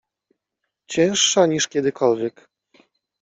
— Cięższa niż kiedykolwiek.